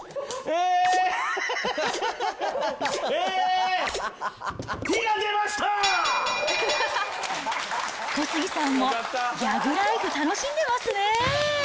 えー、小杉さんもギャグライフ楽しんでますね。